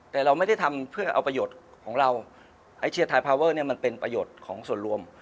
แต่เราไม่ได้ทำเพื่อเอาประโยชน์ของเราไอเชียร์ไทยพาเวอร์เนี่ยมันเป็นประโยชน์ของส่วนรวม